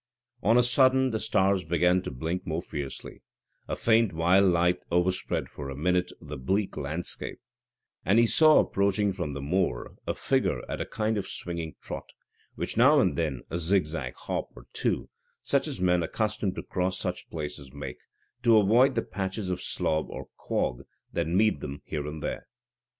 On a sudden the stars began to blink more fiercely, a faint wild light overspread for a minute the bleak landscape, and he saw approaching from the moor a figure at a kind of swinging trot, with now and then a zig zag hop or two, such as men accustomed to cross such places make, to avoid the patches of slob or quag that meet them here and there.